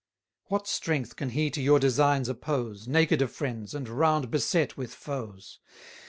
What strength can he to your designs oppose, Naked of friends, and round beset with foes?